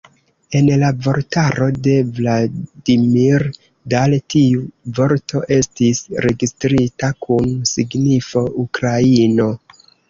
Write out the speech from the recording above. En la vortaro de Vladimir Dal tiu vorto estis registrita kun signifo "ukraino".